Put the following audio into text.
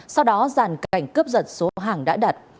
sau đó giàn cảnh cướp giật số hàng đã đặt